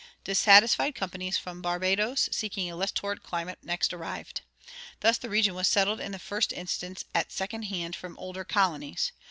Dissatisfied companies from Barbadoes seeking a less torrid climate next arrived. Thus the region was settled in the first instance at second hand from older colonies.